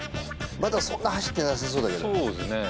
まだそんな走ってなさそうだけどそうですよね